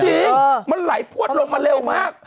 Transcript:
จริงมันไหลพวดลงมาเร็วมาก